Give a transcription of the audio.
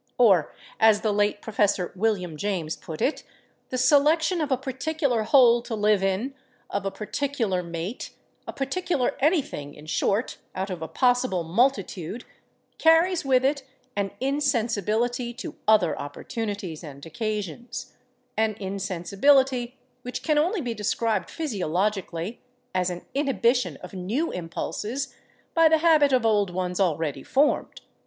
Or, as the late Prof. William James put it, "the selection of a particular hole to live in, of a particular mate, ... a particular anything, in short, out of a possible multitude ... carries with it an insensibility to other opportunities and occasions—an insensibility which can only be described physiologically as an inhibition of new impulses by the habit of old ones already formed.